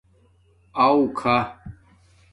اݸ کھݳ